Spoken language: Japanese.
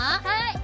はい。